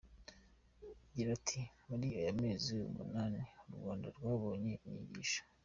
Gira ati “Muri aya mezi umunani, u Rwanda rwabonyemo inyigisho.